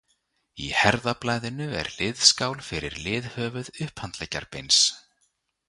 Í herðablaðinu er liðskál fyrir liðhöfuð upphandleggjarbeins.